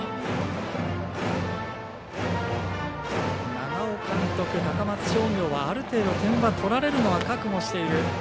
長尾監督、高松商業はある程度、点は取られるのは覚悟している。